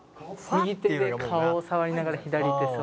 右手で顔を触りながら左手外。